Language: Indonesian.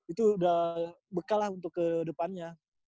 itu udah bekal lah untuk ke depannya